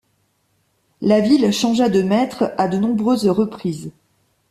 La ville changea de maîtres à de nombreuses reprises.